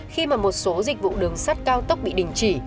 khi mà một số dịch vụ đường sắt cao tốc bị đình chỉ